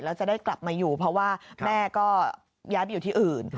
แล้วจะได้กลับมาอยู่เพราะว่าแม่ก็ย้ายไปอยู่ที่อื่น